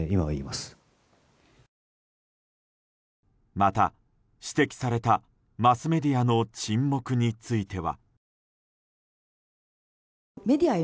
また、指摘されたマスメディアの沈黙については。